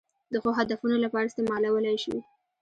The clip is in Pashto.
د ښو هدفونو لپاره استعمالولای شو.